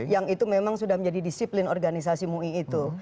yang itu memang sudah menjadi disiplin organisasi mui itu